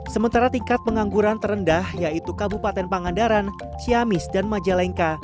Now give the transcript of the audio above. sementara tingkat pengangguran terendah yaitu kabupaten pangandaran ciamis dan majalengka